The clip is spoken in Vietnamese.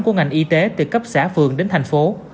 của ngành y tế từ cấp xã phường đến thành phố